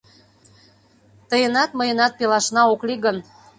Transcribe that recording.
Тыйынат, мыйынат пелашна ок лий гын